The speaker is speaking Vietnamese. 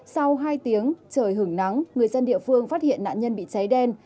sau hai tiếng trời hưởng nắng người dân địa phương phát hiện nạn nhân bị cháy đen